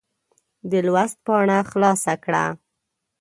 د لوست پاڼه خلاصه کړه.